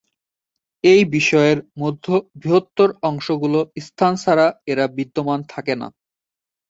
এই বিষয়ের মধ্যে বৃহত্তর অংশগুলো স্থান ছাড়া এরা বিদ্যমান থাকে না।